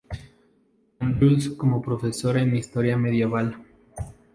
Andrews como profesor en Historia Medieval.